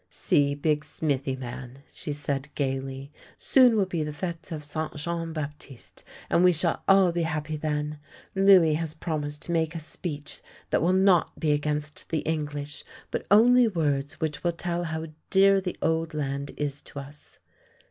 " See, big smithy man! " she said gaily, " soon will be the fete of St. Jean Baptiste, and we shall all be happy then. Louis has promised me to make a speech that will not be against the English, but only words which will tell how dear the old land is to us."